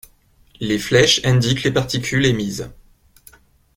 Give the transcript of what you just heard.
Les flèches indiquent les particules émises.